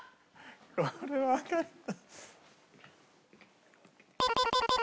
これわかった。